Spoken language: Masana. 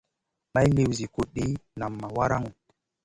May liw zi kuɗ ɗi, nam ma waraŋu.